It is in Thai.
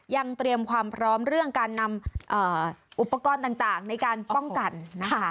ยังเตรียมความพร้อมเรื่องการนำอุปกรณ์ต่างในการป้องกันนะคะ